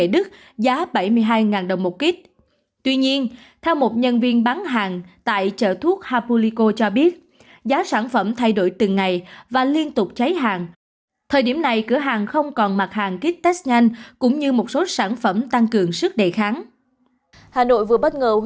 được rao bán với giá năm mươi hai đồng một bộ